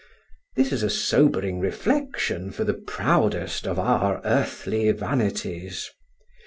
This is a sobering reflection for the proudest of our earthly vanities.